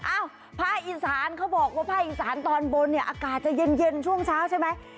ภาคอีสานเขาบอกว่าภาคอีสานตอนบนเนี่ยอากาศจะเย็นช่วงเช้าใช่ไหม